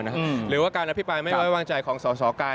หรือว่าการอภิปรายไม่ไว้วางใจของสสกาย